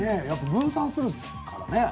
分散するからね。